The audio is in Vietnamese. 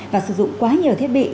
và sử dụng quá nhiều thiết bị